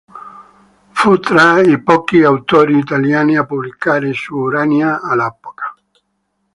Fu tra i pochi autori italiani a pubblicare su Urania all'epoca.